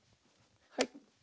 はい。